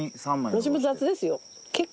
私も雑ですよ。